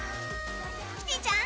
キティちゃん